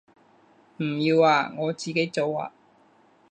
唔要啊，我自己做啊